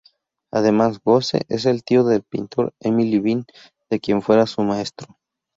Además "Gosse" es el tío del pintor Émile Bin, de quien fuera su maestro.